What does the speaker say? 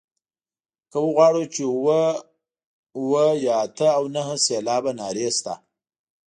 که وغواړو چې اووه اووه یا اته او نهه سېلابه نارې شته.